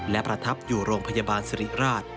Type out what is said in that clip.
และประทับอยู่โรงพยาบาลสิริราช